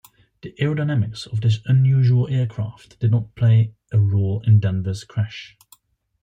The aerodynamics of this unusual aircraft did not play a role in Denver's crash.